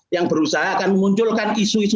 yang berusaha akan memunculkan isu isu